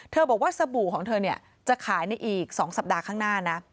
บอกว่าสบู่ของเธอจะขายในอีก๒สัปดาห์ข้างหน้านะ